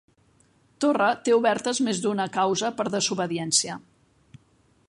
Torra té obertes més d'una causa per desobediència